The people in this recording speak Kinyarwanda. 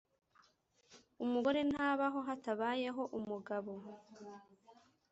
Umugore ntabaho hatabayeho umugabo